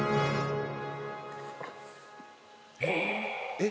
えっ？